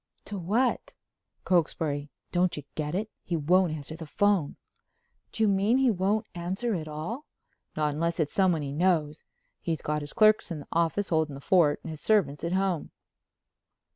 "To what?" "Cokesbury. Don't you get it? He won't answer the phone." "Do you mean he won't answer at all?" "Not unless it's someone he knows. He's got his clerks in the office holding the fort and his servants at home."